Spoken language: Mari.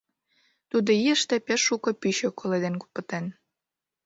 Тудо ийыште пеш шуко пӱчӧ коледен пытен.